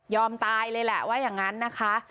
ตายเลยแหละว่าอย่างนั้นนะคะ